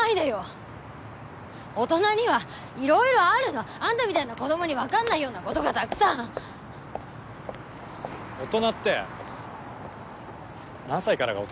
大人にはいろいろあるのあんたみたいな子どもに分かんないようなことがたくさん大人って何歳からが大人なんですか？